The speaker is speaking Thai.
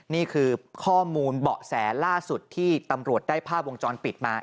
นี่คือข้อมูลเบาะแสล่าสุดที่ตำรวจได้ภาพวงจรปิดมา